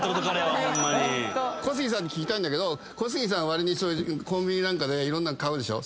小杉さんに聞きたいんだけどわりにコンビニなんかでいろんなの買うでしょ。